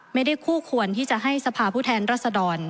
ไม่ได้คู่ควรที่จะให้สภาพผู้แทนรัศดร